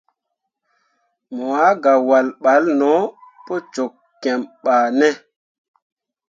Mo ah gah wahl balle no pu cok kiem bah ne.